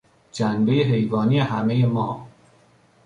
جنبهی حیوانی همهی ما